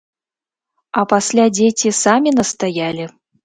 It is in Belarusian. А пасля дзеці самі настаялі!